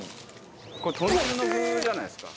これ豚汁の具じゃないですか？